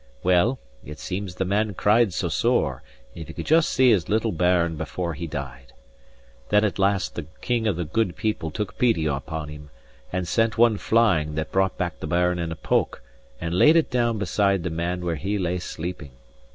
Well, it seems the man cried so sore, if he could just see his little bairn before he died! that at last the king of the Good People took peety upon him, and sent one flying that brought back the bairn in a poke* and laid it down beside the man where he lay sleeping.